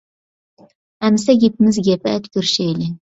ئەمىسە گېپىمىز گەپ. ئەتە كۆرۈشەيلى.